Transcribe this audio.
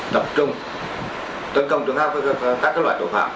tập trung tấn công các loại tội phạm